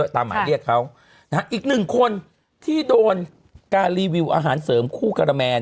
ตามหมายเรียกเขานะฮะอีกหนึ่งคนที่โดนการรีวิวอาหารเสริมคู่การแมน